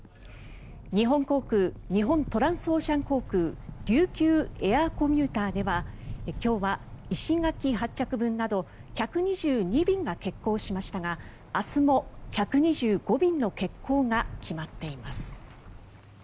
日本航空日本トランスオーシャン航空琉球エアーコミューターでは今日は石垣発着便など１２２便が欠航しましたが明日も１２５便の欠航が決まっています。